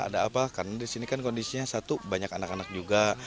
ada apa karena di sini kan kondisinya satu banyak anak anak juga